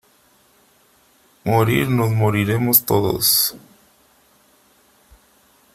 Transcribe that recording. morir nos moriremos todos .